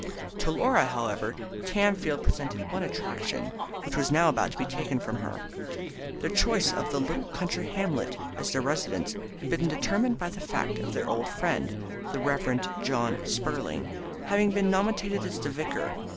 To Laura, however, Tamfield presented one attraction, which was now about to be taken from her. Their choice of the little country hamlet as their residence had been determined by the fact of their old friend, the Reverend John Spurling, having been nominated as the vicar.